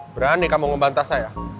berani kamu ngebantah saya